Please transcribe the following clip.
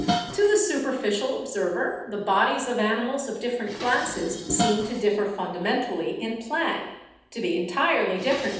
To the superficial observer the bodies of animals of different classes seem to differ fundamentally in plan, to be entirely different Man.